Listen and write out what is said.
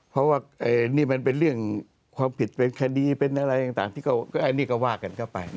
เพราะว่านี่มันเป็นเรื่องความผิดเป็นคดีเป็นอะไรต่างที่อันนี้ก็ว่ากันเข้าไป